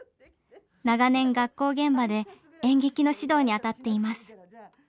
長年学校現場で演劇の指導に当たっています。